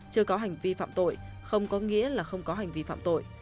chưa có hành vi phạm tội không có nghĩa là không có hành vi phạm tội